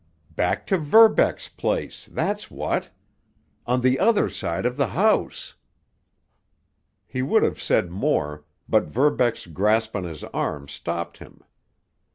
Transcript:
Back to Verbeck's place—that's what! On the other side of the house!" He would have said more, but Verbeck's grasp on his arm stopped him.